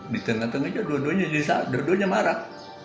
di tengah tengahnya dua duanya marah